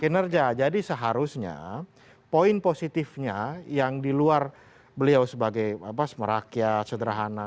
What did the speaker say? kinerja jadi seharusnya poin positifnya yang di luar beliau sebagai merakyat sederhana